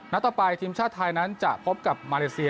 ต่อไปทีมชาติไทยนั้นจะพบกับมาเลเซีย